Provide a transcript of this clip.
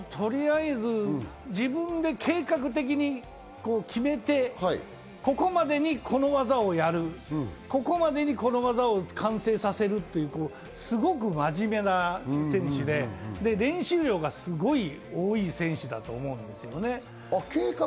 自分で計画的に決めて、ここまでにこの技をやる、ここまでにこの技を完成させるというすごく真面目な選手で、練習量がすごい多い選手だと思うんですよ。